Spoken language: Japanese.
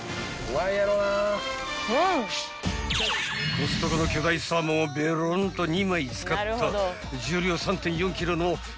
［コストコの巨大サーモンをべろんと２枚使った］